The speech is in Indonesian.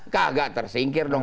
kagak tersingkir dong